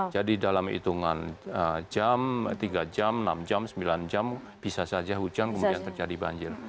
jadi dalam hitungan jam tiga jam enam jam sembilan jam bisa saja hujan kemudian terjadi banjir